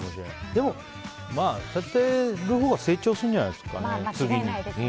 でもそうやってるほうが成長するんじゃないですかね。